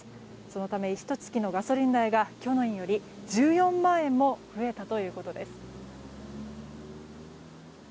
そのため、ひと月のガソリン代が去年より１４万円も増えたということです。